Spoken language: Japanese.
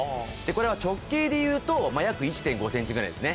これは直径でいうと約１．５ｃｍぐらいですね。